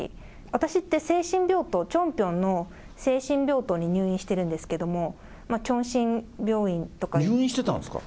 私って精神病棟、チョンピョンの精神病棟に入院してるんですけども、入院してたんですか？